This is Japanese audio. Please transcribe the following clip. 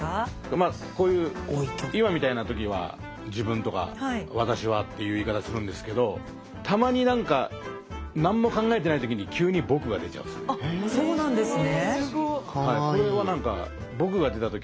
まあこういう今みたいな時は「自分」とか「わたしは」っていう言い方するんですけどたまになんかあっそうなんですね。